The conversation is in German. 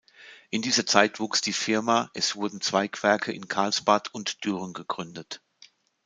In dieser Zeit wuchs die Firma, es wurden Zweigwerke in Karlsbad und Düren gegründet.